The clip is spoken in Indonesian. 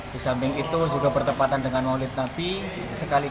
di samping itu juga bertepatan dengan wawancara